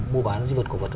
mua bán di vật cổ vật